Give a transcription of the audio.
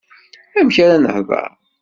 Amek ara nehdeṛ?